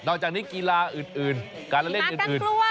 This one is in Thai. จากนี้กีฬาอื่นการเล่นอื่น